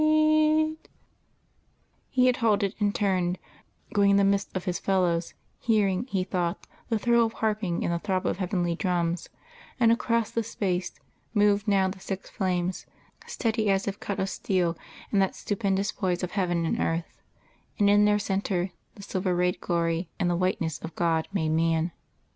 _ He had halted and turned, going in the midst of his fellows, hearing, he thought, the thrill of harping and the throb of heavenly drums; and, across the space, moved now the six flames, steady as if cut of steel in that stupendous poise of heaven and earth; and in their centre the silver rayed glory and the Whiteness of God made Man....